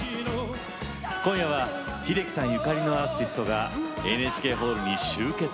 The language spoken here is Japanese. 今夜は秀樹さんゆかりのアーティストがＮＨＫホールに集結。